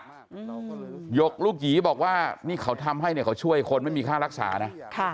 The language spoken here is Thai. หยกลูกหยีบอกว่านี่เขาทำให้เนี่ยเขาช่วยคนไม่มีค่ารักษานะค่ะ